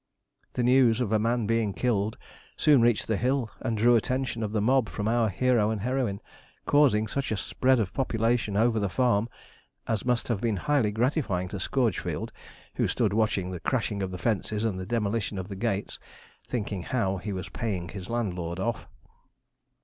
The news of a man being killed soon reached the hill, and drew the attention of the mob from our hero and heroine, causing such a spread of population over the farm as must have been highly gratifying to Scourgefield, who stood watching the crashing of the fences and the demolition of the gates, thinking how he was paying his landlord off.